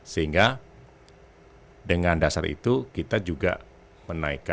sehingga dengan dasar itu kita juga menaikkan